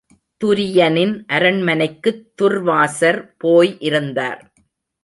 துரியனின் அரண்மனைக்குத் துர்வாசர் போய் இருந்தார்.